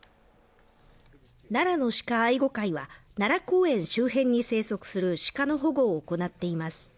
奈良の鹿愛護会は、奈良公園周辺に生息するシカの保護を行っています。